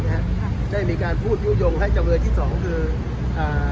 ค่ะได้มีการพูดยุโยงให้จำเลยที่สองคืออ่า